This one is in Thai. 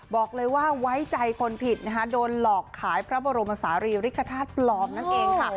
บอกเลยว่าไว้ใจคนผิดนะคะโดนหลอกขายพระบรมศาลีริกฐาตุปลอมนั่นเองค่ะ